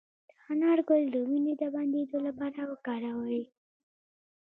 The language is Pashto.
د انار ګل د وینې د بندیدو لپاره وکاروئ